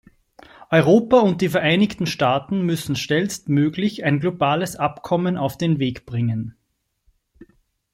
Europa und die Vereinigten Staaten müssen schnellstmöglich ein globales Abkommen auf den Weg bringen.